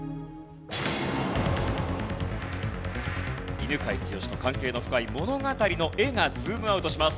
犬養毅と関係の深い物語の絵がズームアウトします。